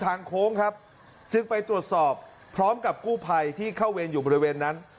โค้งครับจึงไปตรวจสอบพร้อมกับกู้ภัยที่เข้าเวรอยู่บริเวณนั้น